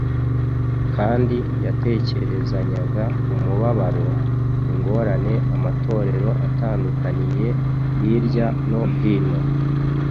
kandi yatekerezanyaga umubabaro ingorane amatorero atandukaniye hirya no hino